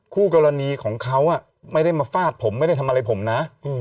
คู่กรณีของเขาไม่ได้มาฟาดผมไม่ได้ทำอะไรผมนะ